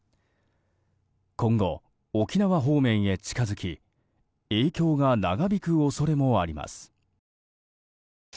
今後、沖縄方面へ近づき影響が長引く恐れもあります。